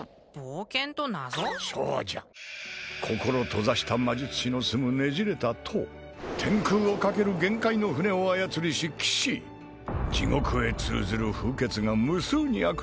そうじゃ心閉ざした魔術士の住むねじれた塔天空をかける幻海の舟を操りし騎士地獄へ通ずる風穴が無数にあく